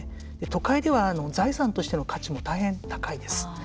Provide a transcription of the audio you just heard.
都会では、財産としての価値も大変、高いです。